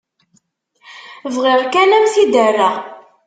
Bɣiɣ kan ad m-t-id-rreɣ.